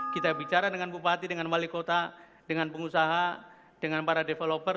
kita bicara dengan bupati dengan wali kota dengan pengusaha dengan para developer